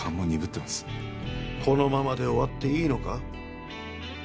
このままで終わっていいのか？